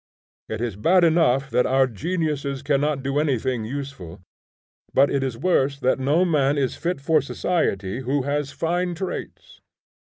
It is bad enough that our geniuses cannot do anything useful, but it is worse that no man is fit for society who has fine traits.